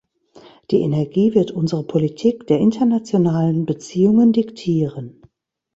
Die Energie wird unsere Politik der internationalen Beziehungen diktieren.